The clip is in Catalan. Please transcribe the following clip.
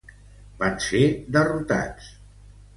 Van ser derrotats.